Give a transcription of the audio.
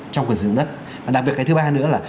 trong quyền sử dụng đất và đặc biệt cái thứ ba nữa là